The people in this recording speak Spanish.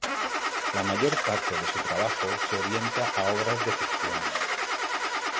La mayor parte de su trabajo se orienta a obras de ficción.